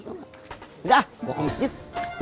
nggak gue ke masjid